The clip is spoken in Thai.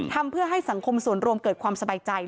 ทำให้สังคมส่วนรวมเกิดความสบายใจ